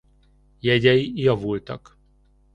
Jegyei javultak.